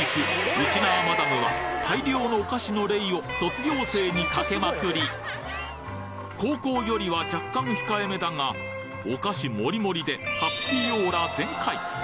ウチナーマダムは大量のお菓子のレイを卒業生にかけまくり高校よりは若干控えめだがお菓子モリモリでハッピーオーラ全開！